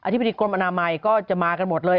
ธิบดีกรมอนามัยก็จะมากันหมดเลย